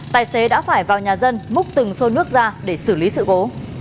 tài xế đã phải vào nhà dân múc từng xô nước ra để xử lý sự cố